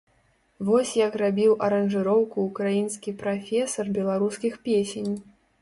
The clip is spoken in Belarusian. Вось як рабіў аранжыроўку ўкраінскі прафесар беларускіх песень!